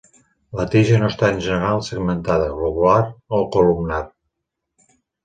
La tija no està en general segmentada, globular o columnar.